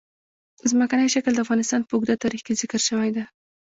ځمکنی شکل د افغانستان په اوږده تاریخ کې ذکر شوې ده.